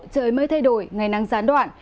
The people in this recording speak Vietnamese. trời mới thay đổi ngày nắng gián đoạn